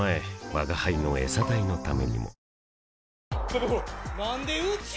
吾輩のエサ代のためにも